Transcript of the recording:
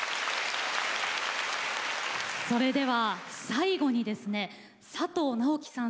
それでは最後にですね佐藤直紀さん